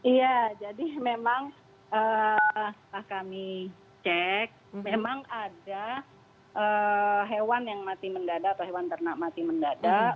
iya jadi memang setelah kami cek memang ada hewan yang mati mendadak atau hewan ternak mati mendadak